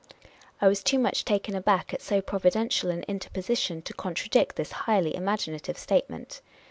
'' I was too much taken aback at so providential an interposition to contradict this highly im aginative statement.